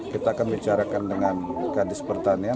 kita akan bicarakan dengan kadis pertanian